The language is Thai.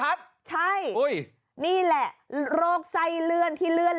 อันนี้จะสดแทนครับ